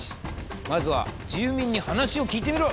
まずは住民に話を聞いてみろ！